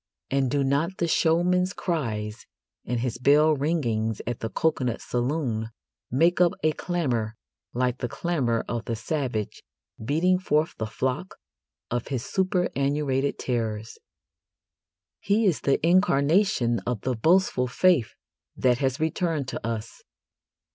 And do not the showman's cries and his bell ringings at the coconut saloon make up a clamour like the clamour of the savage beating forth the flock of his superannuated terrors? He is the incarnation of the boastful faith that has returned to us.